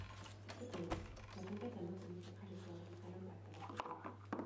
Cependant, la tempête a maintenu sa trajectoire jusqu'à l'impact avec ce pays.